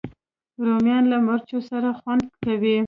رومیان له مرچو سره خوند کوي